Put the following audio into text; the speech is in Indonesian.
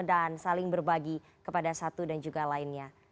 dan saling berbagi kepada satu dan juga lainnya